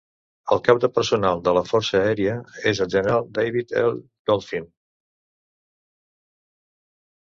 El cap de personal de la força aèria és el general David L. Goldfein.